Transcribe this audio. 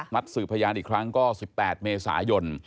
สืบพยานอีกครั้งก็๑๘เมษายน